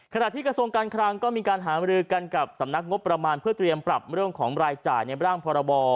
ขณะที่กระทรวงการคลังก็มีการหามรือกันกับสำนักงบประมาณเพื่อเตรียมปรับเรื่องของรายจ่ายในร่างพรบ